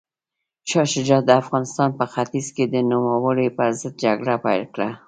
شاه شجاع د افغانستان په ختیځ کې د نوموړي پر ضد جګړه پیل کړه.